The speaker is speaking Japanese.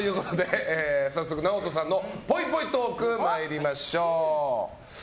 早速、ＮＡＯＴＯさんのぽいぽいトーク参りましょう。